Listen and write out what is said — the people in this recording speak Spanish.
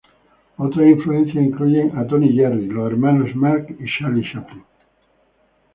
Otras influencias incluyen a Tom y Jerry, los Hermanos Marx, y Charlie Chaplin.